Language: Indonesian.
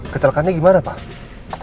kecelakaannya gimana pak